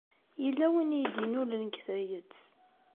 Yella win i yi-d-innulen deg tayet.